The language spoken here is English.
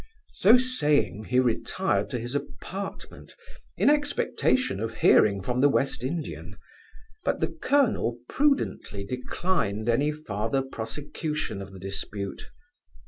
So saying, he retired to his apartment, in expectation of hearing from the West Indian; but the colonel prudently declined any farther prosecution of the dispute.